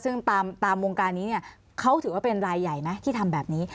ซึ่งตามวงการนี้เนี่ยเขาถือว่าเป็นรายใหญ่ไหมที่ทำแบบนี้